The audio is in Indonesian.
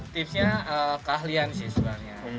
tipsnya keahlian sih sebenarnya